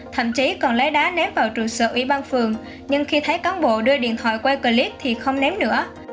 thậm chí còn lấy đá ném vào trụ sở ủy ban phường nhưng khi thấy cán bộ đưa điện thoại quay clip thì không ném nữa